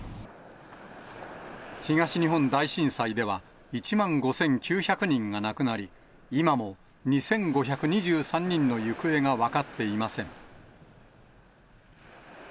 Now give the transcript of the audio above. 東日本大震災では、１万５９００人が亡くなり、今も２５２３人の行方が分かっていません。